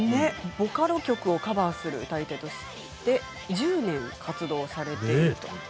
ボカロ曲をカバーする歌い手として１０年活動をされていました。